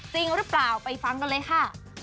จริงหรือเปล่าไปฟังกันเลยค่ะ